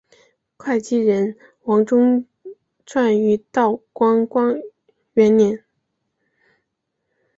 会稽人王仲舒撰于道光元年。